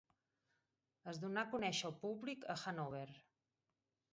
Es donà conèixer al públic a Hannover.